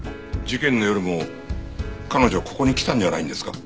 事件の夜も彼女ここに来たんじゃないんですか？